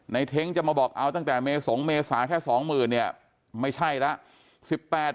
เท้งจะมาบอกเอาตั้งแต่เมสงเมษาแค่สองหมื่นเนี่ยไม่ใช่แล้ว